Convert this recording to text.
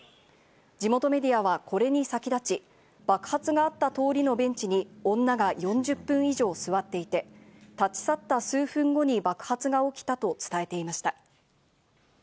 地元メディアはこれに先立ち、爆発があった通りのベンチに女が４０分以上座っていて、立ち去った数分後に爆発が起きたと伝えていました。